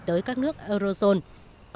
tới các nước eurozone